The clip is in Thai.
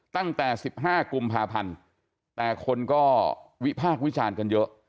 ตั้งแต่๑๕กุมภาพันธ์แต่คนก็วิพากษ์วิจารณ์กันเยอะ